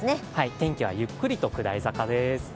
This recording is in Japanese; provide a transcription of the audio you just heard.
天気はゆっくりと下り坂です。